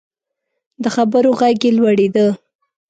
د خبرو غږ یې لوړیده.